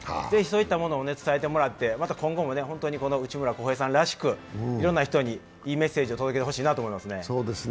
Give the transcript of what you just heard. ぜひそういったものを伝えてもらってまた今後も内村航平さんらしくいろんな人にいいメッセージを届けてほしいなと思いますね。